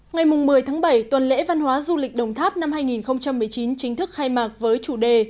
ngày một mươi tháng bảy tuần lễ văn hóa du lịch đồng tháp năm hai nghìn một mươi chín chính thức khai mạc với chủ đề